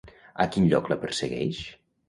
A quin lloc la persegueix?